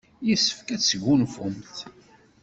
Yessefk ad tesgunfumt.